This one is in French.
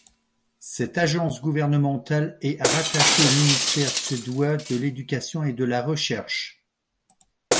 Cette agence gouvernementale est rattachée au ministère suédois de l'Éducation et de la Recherche.